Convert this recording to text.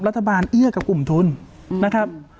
รัฐบาลเอื้อกับกลุ่มทุนนะครับ